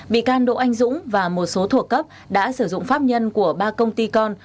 bị can đỗ anh dũng và một số thuộc cấp đã sử dụng pháp nhân của ba công ty con